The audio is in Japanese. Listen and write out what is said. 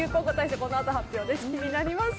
このあと発表です。